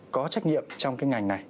có trách nhiệm trong cái ngành này